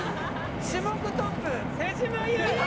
種目トップ手島優！